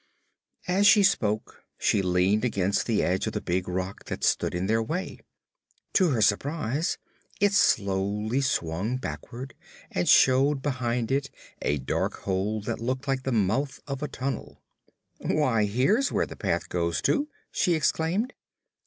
As she spoke she leaned against the edge of the big rock that stood in their way. To her surprise it slowly swung backward and showed behind it a dark hole that looked like the mouth of a tunnel. "Why, here's where the path goes to!" she exclaimed.